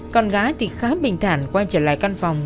con gái thì khá mình thản quay trở lại căn phòng